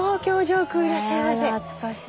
え懐かしい。